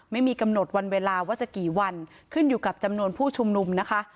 ไม่มีกำหนดวันเวลาว่าจะกี่วันขึ้นอยู่กับจำนวนผู้ชุมนุมนะคะ